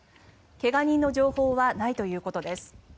怪我人の情報はないということです。